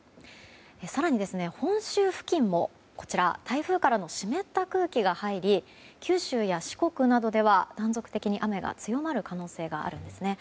更に、本州付近も台風からの湿った空気が入り九州や四国などでは断続的に雨が強まる可能性があるんですね。